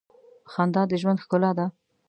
خندا د ژوند ښکلا ده.